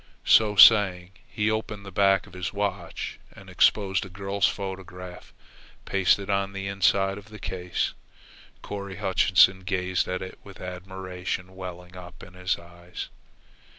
So saying he opened the back of his watch and exposed a girl's photograph pasted on the inside of the case. Corry Hutchinson gazed at it with admiration welling up in his eyes.